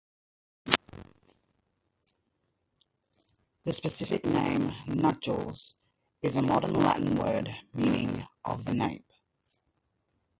The specific name "nuchalis" is a modern Latin word meaning "of the nape".